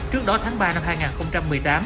trước đó tháng ba năm hai nghìn một mươi tám